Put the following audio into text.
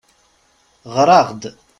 Ɣeṛ-aɣ-d.